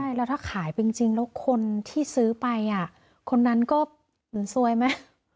ใช่แล้วถ้าขายไปจริงแล้วคนที่ซื้อไปคนนั้นก็เหมือนซวยไหม